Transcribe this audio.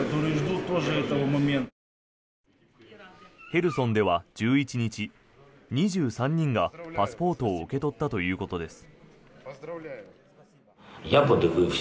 ヘルソンでは１１日２３人がパスポートを受け取ったということです。